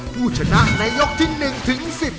ผู้ชนะในยกที่๑ถึง๑๐